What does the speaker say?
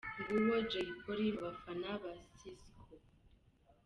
Nguwo Jay Polly mu bafana ba Sisqo.